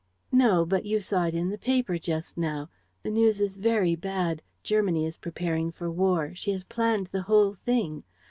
"No, but you saw it in the paper just now. The news is very bad. Germany is preparing for war. She has planned the whole thing.